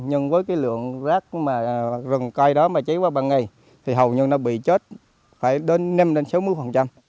nhưng với cái lượng rác rừng cây đó mà cháy qua ba ngày thì hầu như nó bị chết phải nêm lên sáu mươi